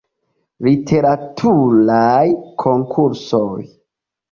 Literaturaj konkursoj.